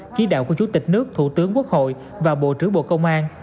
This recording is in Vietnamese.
chỉ đạo của chủ tịch nước thủ tướng quốc hội và bộ trưởng bộ công an